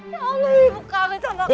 ya allah ibu kangen sama kamu